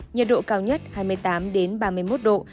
nhiệt độ cao nhất hai mươi tám ba mươi một độ